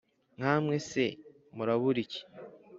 Nkamwe se murabura iki